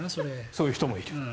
そういう人もいる。